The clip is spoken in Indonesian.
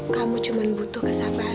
kamu cuma butuh kesabaran